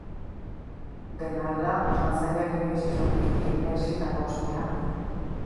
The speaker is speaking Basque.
Dena dela, asmatzaileak inoiz ez zuen eduki merezitako ospea.